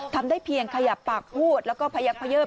ทำได้เพียงขยับปากพูดแล้วก็พยักเยิบ